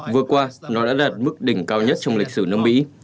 vừa qua nó đã đạt mức đỉnh cao nhất trong lịch sử nước mỹ